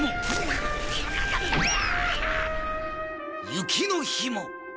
雪の日も。